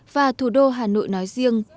và thủ đô hà nội nói riêng